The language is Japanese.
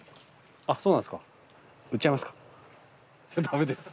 あっそうなんですか。